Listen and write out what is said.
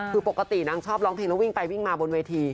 คือปกตินางชอบร้องเพลงแล้ววิ่งไปวิ่งมาบนเวที